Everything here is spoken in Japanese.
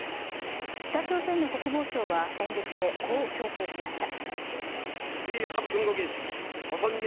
北朝鮮の国防相は演説でこう強調しました。